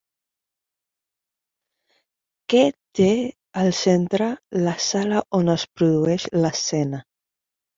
Què té al centre la sala on es produeix l'escena?